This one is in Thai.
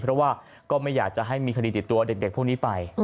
เพราะว่าก็ไม่อยากจะให้มีคดีติดตัวเด็กพวกนี้ไป